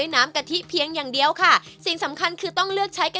น้ำแกงจะชุ่มอยู่ในเนื้อไก่ค่ะ